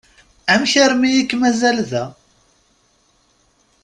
Amek armi i k-mazal da?